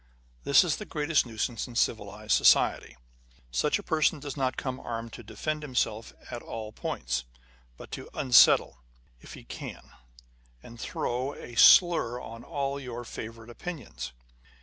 This is the greatest nuisance in civilised society. Such a person does not come armed to defend himself at all points, but to unsettle, if he can, and throw a slur on all your favourite opinions.